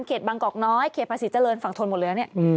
บางกอกน้อยเขตภาษีเจริญฝั่งทนหมดแล้วเนี่ย